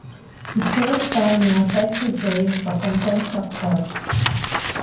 He served time in a Texas jail for contempt of court.